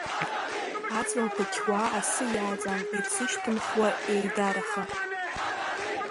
Аҵлақәа қьуа асы иаҵан, ирзышьҭымхуа еидарахан.